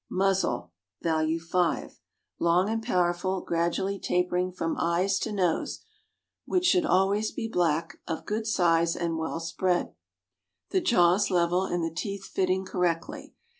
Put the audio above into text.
Muzzle (value 5) long and powerful, gradually tapering from eyes to nose, which should always be black, of good size, and well spread; the jaws level, and the teeth fitting correctly.